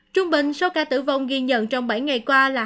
trung bệnh số ca tử vong ghi nhận trong bảy ngày